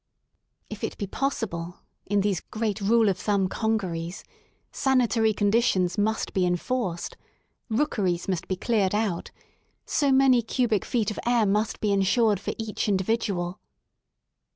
If it be possible, in these great rule of thumb congeries, sanitary conditions" must be enforced; rookeries must be cleared out; so many cubic feet of air must be ensured for each individual.